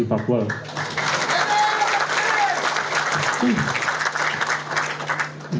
dan berjalan dari situ